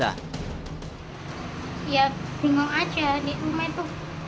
ya bingung aja di rumah itu